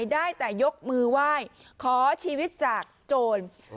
ได้แต่ยกมือไหว้ขอชีวิตจากโจร